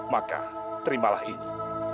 maka terimalah ini